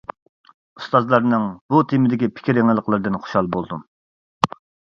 ئۇستازلارنىڭ بۇ تېمىدىكى پىكىر يېڭىلىقلىرىدىن خۇشال بولدۇم.